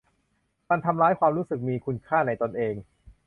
มันทำร้ายความรู้สึกมีคุณค่าในตนเอง